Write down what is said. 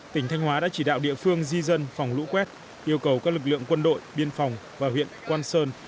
tỉnh thanh hóa đã chỉ đạo địa phương di dân phòng lũ quét yêu cầu các lực lượng quân đội biên phòng và huyện quan sơn